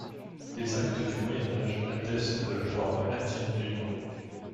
Des actes du Moyen Âge attestent la forme latine du nom.